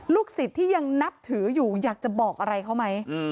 สิทธิ์ที่ยังนับถืออยู่อยากจะบอกอะไรเขาไหม